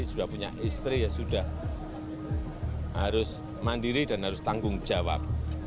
sudah punya istri ya sudah harus mandiri dan harus tanggung jawab